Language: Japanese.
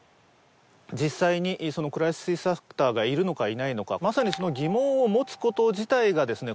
実際にそのクライシスアクターがいるのかいないのかまさにその疑問を持つこと自体がですね